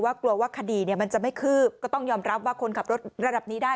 กลัวว่าคดีมันจะไม่คืบก็ต้องยอมรับว่าคนขับรถระดับนี้ได้